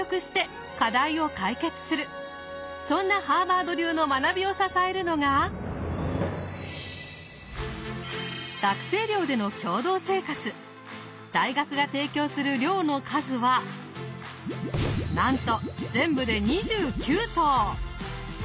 そんなハーバード流の学びを支えるのが大学が提供する寮の数はなんと全部で２９棟！